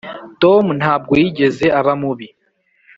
tom ntabwo yigeze aba mubi.